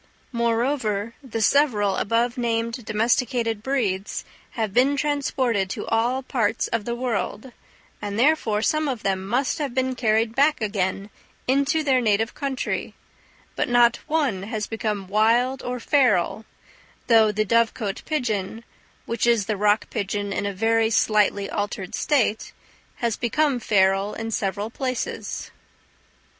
Moreover, the several above named domesticated breeds have been transported to all parts of the world, and, therefore, some of them must have been carried back again into their native country; but not one has become wild or feral, though the dovecot pigeon, which is the rock pigeon in a very slightly altered state, has become feral in several places.